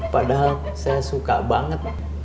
padahal saya suka banget